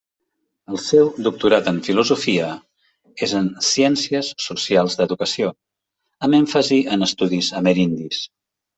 El seu doctorat en filosofia és en Ciències Socials d'Educació amb èmfasi en estudis amerindis.